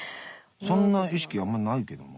そんな意識あんまないけどな。